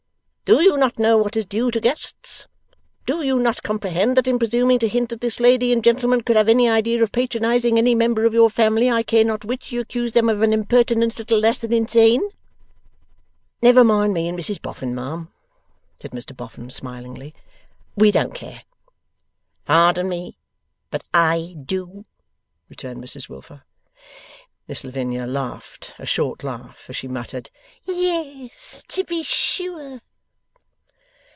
Do you not know what is due to guests? Do you not comprehend that in presuming to hint that this lady and gentleman could have any idea of patronizing any member of your family I care not which you accuse them of an impertinence little less than insane?' 'Never mind me and Mrs Boffin, ma'am,' said Mr Boffin, smilingly: 'we don't care.' 'Pardon me, but I do,' returned Mrs Wilfer. Miss Lavinia laughed a short laugh as she muttered, 'Yes, to be sure.